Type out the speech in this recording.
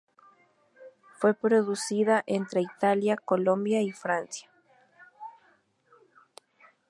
Fue producida entre Italia, Colombia y Francia.